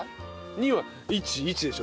２は１１でしょ